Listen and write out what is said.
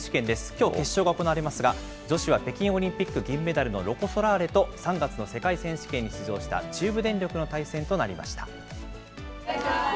きょう、決勝が行われますが、女子は北京オリンピック銀メダルのロコ・ソラーレと３月の世界選手権に出場した中部電力の対戦となりました。